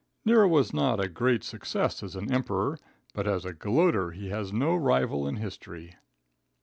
Nero was not a great success as an Emperor, but as a gloater he has no rival in history.